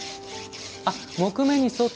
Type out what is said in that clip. あっ木目に沿って。